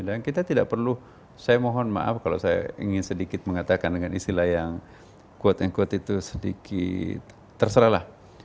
dan kita tidak perlu saya mohon maaf kalau saya ingin sedikit mengatakan dengan istilah yang quote unquote itu sedikit terserahlah